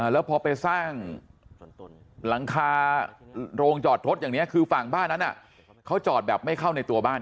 แล้วพอไปสร้างหลังคาโรงจอดรถอย่างนี้คือฝั่งบ้านนั้นเขาจอดแบบไม่เข้าในตัวบ้าน